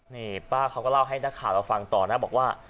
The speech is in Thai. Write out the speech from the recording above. นี่ป้าเขาก็เล่าให้นักข่าวเราฟังต่อนะบอกว่า